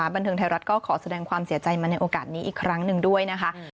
บันเทิงไทยรัฐก็ขอแสดงความเสียใจมาในโอกาสนี้อีกครั้งหนึ่งด้วยนะคะ